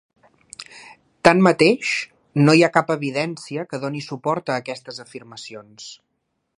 Tanmateix, no hi ha cap evidència que doni suport a aquestes afirmacions.